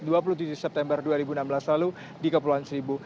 dua puluh tujuh september dua ribu enam belas lalu di kepulauan seribu